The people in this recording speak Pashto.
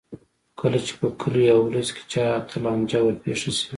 کله چې په کلي یا ولس کې چا ته لانجه ورپېښه شي.